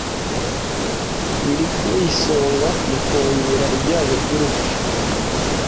biri ku isonga mu kongera ibyago by’uru rupfu